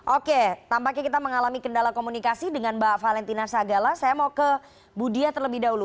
oke tampaknya kita mengalami kendala komunikasi dengan mbak valentina sagala saya mau ke bu dia terlebih dahulu